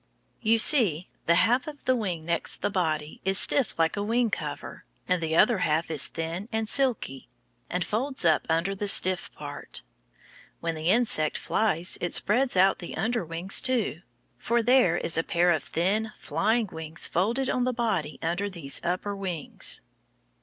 You see, the half of the wing next the body is stiff like a wing cover, and the other half is thin and silky, and folds up under the stiff part. When the insect flies it spreads out the under wings, too, for there is a pair of thin, flying wings folded on the body under these upper wings.